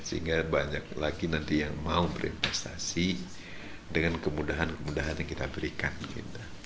sehingga banyak lagi nanti yang mau berinvestasi dengan kemudahan kemudahan yang kita berikan gitu